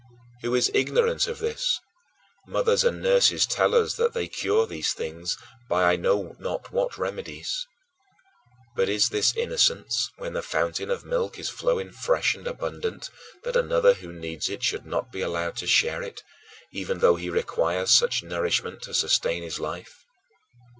Who is ignorant of this? Mothers and nurses tell us that they cure these things by I know not what remedies. But is this innocence, when the fountain of milk is flowing fresh and abundant, that another who needs it should not be allowed to share it, even though he requires such nourishment to sustain his life?